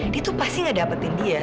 dia tuh pasti ngedapetin dia